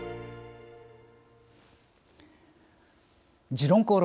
「時論公論」